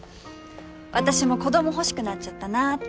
私も子供欲しくなっちゃったなって。